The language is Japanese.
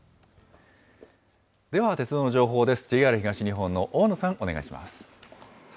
では鉄道の情報です。